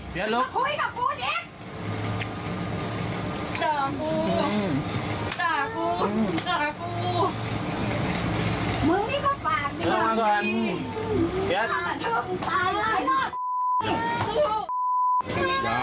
อว็ถรรพงศ์